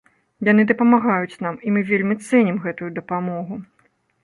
Яны дапамагаюць нам, і мы вельмі цэнім гэтую дапамогу.